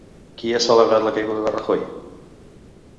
Qui ha celebrat la caiguda de Rajoy?